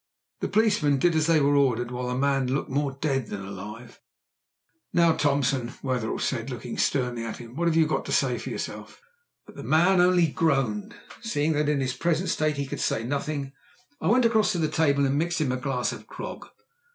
The policemen did as they were ordered, while the man looked more dead than alive. "Now, Thompson," said Wetherell, looking sternly at him, "what have you got to say for yourself?" But the man only groaned. Seeing that in his present state he could say nothing, I went across to the table and mixed him a glass of grog.